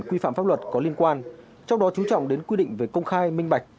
quy phạm pháp luật có liên quan trong đó chú trọng đến quy định về công khai minh bạch